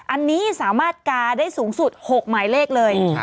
อันนี้สามารถกาได้สูงสุด๖หมายเลขเลย